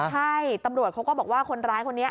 ใช่ตำรวจเขาก็บอกว่าคนร้ายคนนี้